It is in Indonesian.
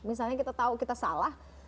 misalnya kita tahu kita salah